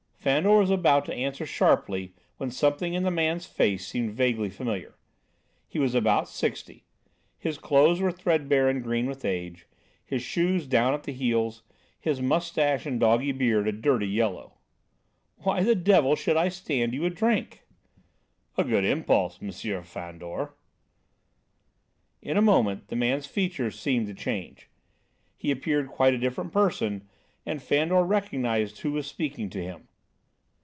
Fandor was about to answer sharply when something in the man's face seemed vaguely familiar. He was about sixty. His clothes were threadbare and green with age, his shoes down at the heels, his moustache and shaggy beard a dirty yellow. "Why the devil should I stand you a drink?" "A good impulse, M. Fandor." In a moment the man's features seemed to change. He appeared quite a different person and Fandor recognised who was speaking to him.